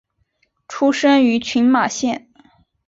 出身于群马县。